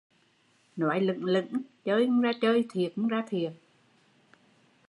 Nói lửng lửng, chơi không ra chơi thiệt không ra thiệt